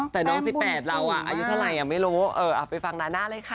แต่น้อง๑๘เราอายุเท่าไหร่ไม่รู้ไปฟังนาน่าเลยค่ะ